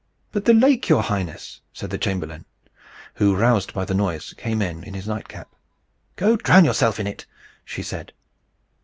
"But the lake, your highness!" said the chamberlain, who, roused by the noise, came in, in his nightcap. "Go and drown yourself in it!" she said.